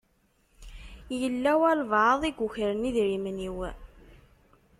Yella walebɛaḍ i yukren idrimen-iw.